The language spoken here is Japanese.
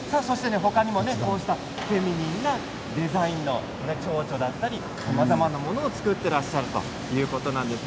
フェミニンなデザインのチョウチョウだったりさまざまなもの作っていらっしゃるということなんです。